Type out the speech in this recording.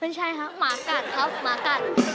ไม่ใช่ครับหมากัดครับหมากัด